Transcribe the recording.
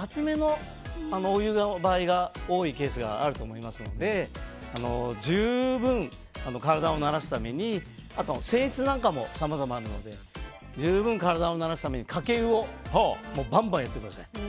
熱めのお湯の場合が多いケースがあると思いますので十分、体を慣らすためにあと、泉質なんかもさまざまあるので十分体を慣らすためにかけ湯をバンバンやってください。